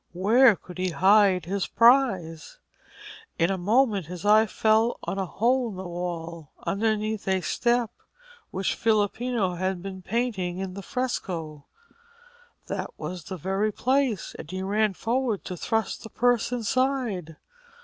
Where could he hide his prize? In a moment his eye fell on a hole in the wall, underneath a step which Filippino had been painting in the fresco. That was the very place, and he ran forward to thrust the purse inside.